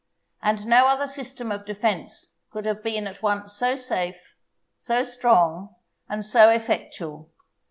And no other system of defence could have been at once so safe, so strong, and so effectual.